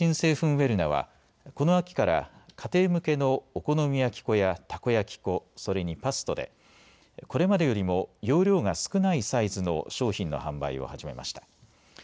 ウェルナはこの秋から家庭向けのお好み焼き粉やたこ焼き粉、それにパスタでこれまでよりも容量が少ないサイズの商品の販売を始めました。